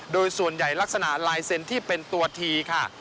โดยส่วนใหญ่ลักษณะลายเซ็นต์ที่เป็นตัวทีค่ะ